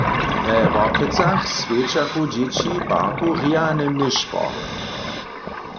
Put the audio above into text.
We Worklecach swjećachu dźěći w parku rjany nyšpor.